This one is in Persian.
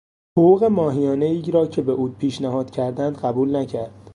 حقوق ماهیانهای را که به او پیشنهاد کردند قبول نکرد.